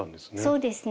そうですね。